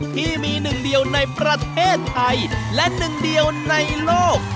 ที่มีหนึ่งเดียวในประเทศไทยและหนึ่งเดียวในโลก